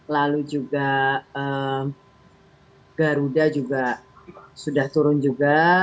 lalu juga garuda juga sudah turun juga